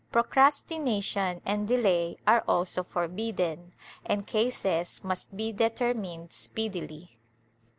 Procrastination and delay are also forbidden, and cases must be determined speedily.